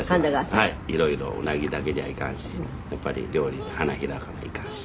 色々うなぎだけではいかんしやっぱり料理で花開かないかんし。